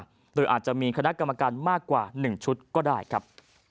หรืออาจจะมีคณะกรรมการมากกว่า๑ชุดก็ได้ครับ